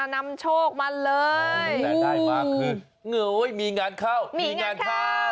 นำโชคมาเลยได้มากขึ้นโอ้ยมีงานเข้ามีงานเข้า